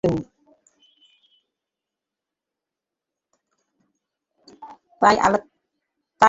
তাঁর আলোতে পূর্ববঙ্গ আলোকিত হয়ে আছে।